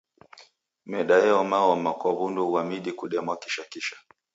Meda eomaoma kwa w'undu ghwa midi kudemwa kishakisha.